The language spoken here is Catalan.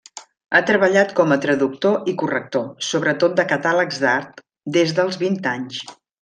Ha treballat com a traductor i corrector, sobretot de catàlegs d'art, des dels vint anys.